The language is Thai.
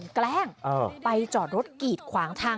สุดทนแล้วกับเพื่อนบ้านรายนี้ที่อยู่ข้างกัน